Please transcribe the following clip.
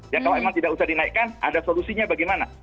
ya kalau memang tidak usah dinaikkan ada solusinya bagaimana